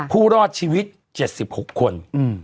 ผู้รอดชีวิต๗๖คน